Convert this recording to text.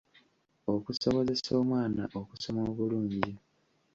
Okusobozesa omwana okusoma obulungi.